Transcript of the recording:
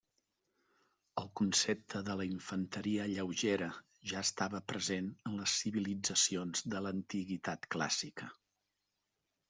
El concepte de la infanteria lleugera ja estava present en les civilitzacions de l'Antiguitat Clàssica.